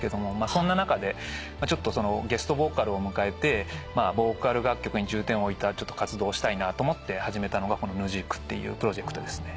そんな中でゲストボーカルを迎えてボーカル楽曲に重点を置いた活動をしたいなと思って始めたのがこの［ｎＺｋ］っていうプロジェクトですね。